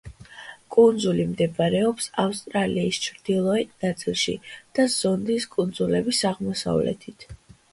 კუნძული მდებარეობს ავსტრალიის ჩრდილოეთ ნაწილში, და ზონდის კუნძულების აღმოსავლეთით.